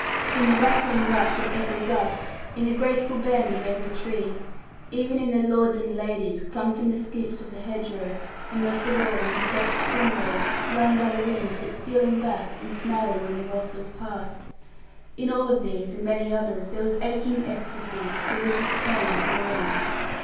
In the rustling rush of every gust, in the graceful bend of every tree, even in the 'lords and ladies,' clumped in the scoops of the hedgerow, and most of all in the soft primrose, wrung by the wind, but stealing back, and smiling when the wrath was passed in all of these, and many others there was aching ecstasy, delicious pang of Lorna.